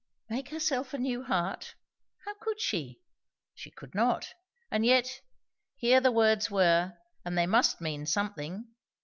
Make herself a new heart? how could she? she could not; and yet, here the words were, and they must mean something.